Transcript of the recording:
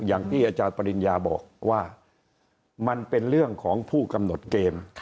อย่างที่อาจารย์ปริญญาบอกว่ามันเป็นเรื่องของผู้กำหนดเกม